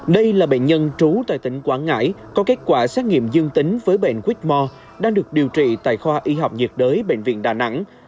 đây là bệnh nhân trú tại tỉnh quảng ngãi có kết quả xét nghiệm dương tính với bệnh whmore đang được điều trị tại khoa y học nhiệt đới bệnh viện đà nẵng